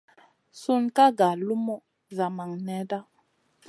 Sun ka nga lumu zamang nèda.